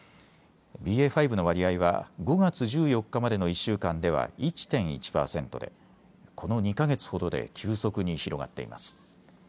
ＢＡ．５の割合は５月１４日までの１週間では１．１％でこの２か月ほどで急速に広がっています。